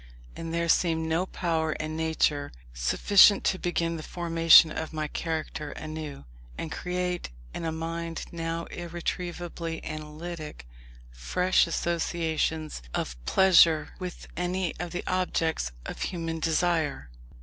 And there seemed no power in nature sufficient to begin the formation of my character anew, and create, in a mind now irretrievably analytic, fresh associations of pleasure with any of the objects of human desire.